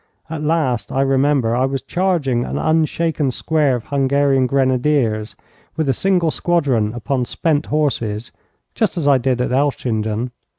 At last, I remember, I was charging an unshaken square of Hungarian Grenadiers, with a single squadron upon spent horses, just as I did at Elchingen.